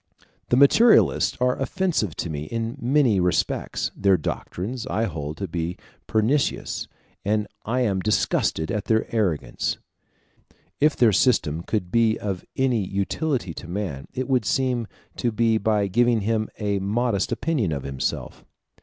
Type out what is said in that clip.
The materialists are offensive to me in many respects; their doctrines I hold to be pernicious, and I am disgusted at their arrogance. If their system could be of any utility to man, it would seem to be by giving him a modest opinion of himself.